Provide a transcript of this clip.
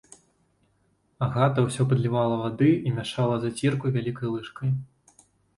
Агата ўсё падлівала вады і мяшала зацірку вялікай лыжкай.